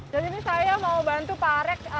jadi ini saya mau bantu pak arek